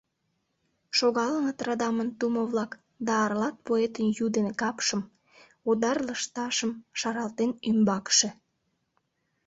Шогалыныт радамын тумо-влак Да аралат поэтын ю ден капшым, Одар лышташым шаралтен ӱмбакше.